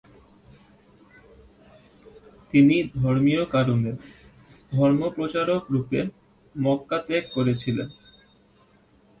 তিনি ধর্মীয় কারণে ধর্মপ্রচারক রূপে মক্কা ত্যাগ করেছিলেন।